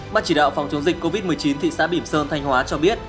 bác chỉ đạo phòng chống dịch covid một mươi chín thị xã bỉm sơn thanh hóa cho biết